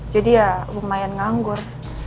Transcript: jadi ya lumayan nganggur